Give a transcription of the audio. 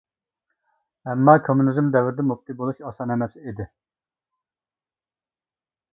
ئەمما كوممۇنىزم دەۋرىدە مۇپتى بولۇش ئاسان ئەمەس ئىدى.